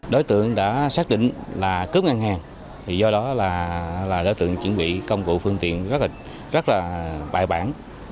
đối tượng đã xác định là cướp ngân hàng do đó là đối tượng chuẩn bị công cụ phương tiện rất là bài bản